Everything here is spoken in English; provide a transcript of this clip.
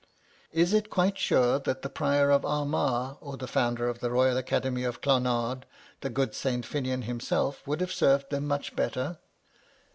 Is it quite sure that the Prior of Armagh, or the founder of the Royal Academy of Clonard, the good Saint Finnan himself, would have served them much better?